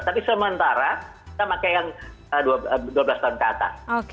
tapi sementara kita pakai yang dua belas tahun ke atas